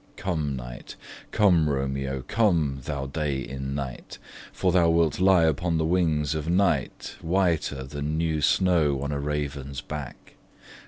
Come night! Come, Romeo! come, thou day in night; For thou wilt lie upon the wings of night Whiter than new snow on a raven's back.